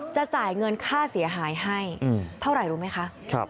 จะจ่ายเงินค่าเสียหายให้เท่าไหร่รู้ไหมคะ